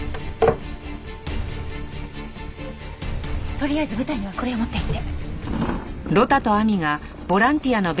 とりあえず舞台にはこれを持って行って。